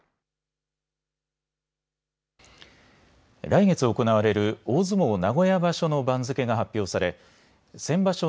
来月行われる大相撲名古屋場所の番付が発表され先場所